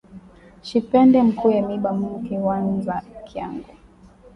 Shipende mukuye miba mu kiwanza kyangu